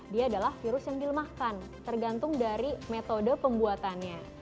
dia adalah virus yang dilemahkan tergantung dari metode pembuatannya